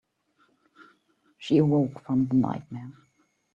She awoke from the nightmare.